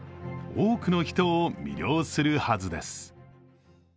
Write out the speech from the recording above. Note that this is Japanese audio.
多くの人を魅了するはずです。